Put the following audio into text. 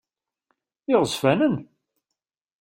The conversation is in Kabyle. D iɣezfanen?